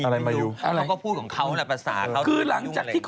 รัชแยกราชเภาของพี่